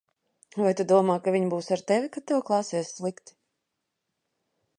Vai tu domā, ka viņa būs ar tevi, kad tev klāsies slikti?